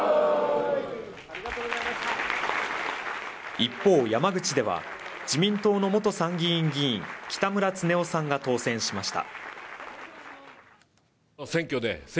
一方、山口では自民党の元参議院議員、北村経夫さんが当選しました。